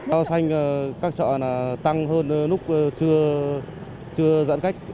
rau xanh các chợ tăng hơn lúc chưa giãn cách